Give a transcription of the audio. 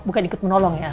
bukan ikut menolong ya